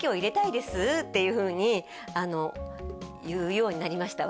「です」っていうふうに言うようになりました